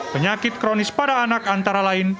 penyakit kronis pada anak antara lain